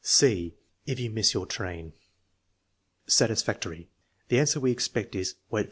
(c) // you miss your train Satisfactory. The answer we expect is, "Wait